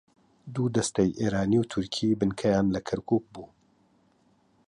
دوو دەستەی ئێرانی و تورکی بنکەیان لە کەرکووک بوو